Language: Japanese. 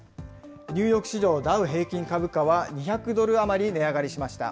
ニューヨーク市場ダウ平均株価は、２００ドル余り値上がりしました。